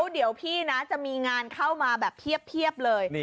เดี๋ยวพี่นะจะมีงานเข้ามาแบบเพียบเลย